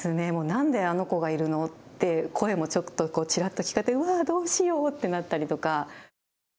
何で、あの子がいるのって声もちらっと聞いて、うわあ、どうしようってなったりとか。